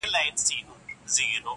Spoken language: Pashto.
همګي واړه بد پوښې دي سپږنې